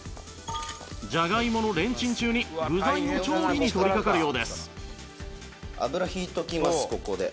じゃがいものレンチン中に具材の調理に取りかかるようです